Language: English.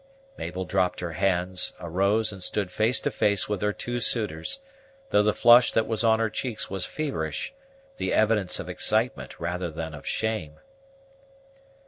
Mabel dropped her hands, arose, and stood face to face with her two suitors, though the flush that was on her cheeks was feverish, the evidence of excitement rather than of shame.